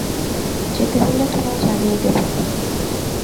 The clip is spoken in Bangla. যেতে হলে তোমায় জানিয়ে দেবো।